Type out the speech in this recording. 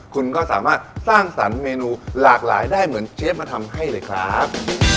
คุณก็สามารถสร้างสรรค์เมนูหลากหลายได้เหมือนเชฟมาทำให้เลยครับ